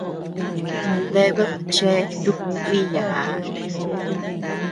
Nandeabead chea nuku kuiiyaa.